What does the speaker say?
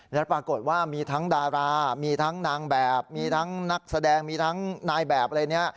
แล้วปรากฏว่ามีทั้งดารามีทั้งนางแบบมีทั้งนักแสดงมีทั้งนายแบบอะไรเนี่ย